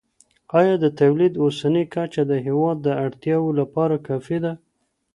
ایا د تولید اوسنۍ کچه د هیواد د اړتیاوو لپاره کافي ده؟